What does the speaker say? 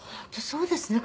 そうですね。